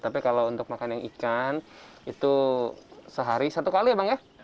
tapi kalau untuk makan yang ikan itu sehari satu kali ya bang ya